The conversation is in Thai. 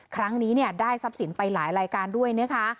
ครั้งนี้ได้ทรัพย์สินไปหลายรายการด้วยนะคะ